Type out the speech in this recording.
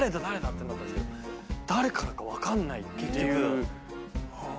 ⁉ってなったんですけど誰からか分かんないっていう状態で。